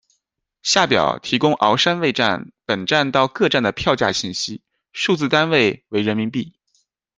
下表提供鳌山卫站本站到各站的票价信息，数字单位为人民币。